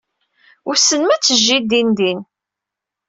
Wissen ma ad tejjey dindin.